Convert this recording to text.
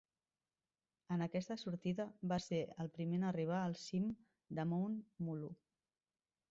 En aquesta sortida va ser el primer en arribar al cim de Mount Mulu.